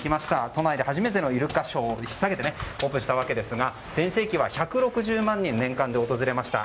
都内で初めてのイルカショーを引っ提げてオープンしたわけですが全盛期は１５０万人年間で訪れました。